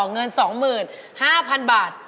เงิน๒๕๐๐๐บาท